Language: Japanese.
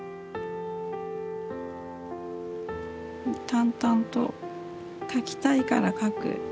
淡々と描きたいから描く。